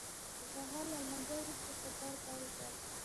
د سهار له لمانځه وروسته سفر پیل کړ.